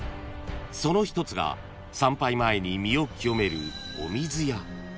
［その一つが参拝前に身を清める］